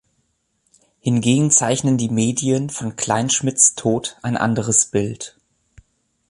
Hingegen zeichnen die Medien von Kleinschmidts Tod ein anderes Bild.